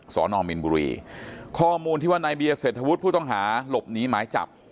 สอนอมินบุรีข้อมูลที่ว่านายเบียร์เศรษฐวุฒิผู้ต้องหาหลบหนีหมายจับ